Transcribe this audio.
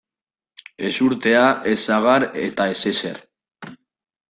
Ezurtea, ez sagar eta ez ezer.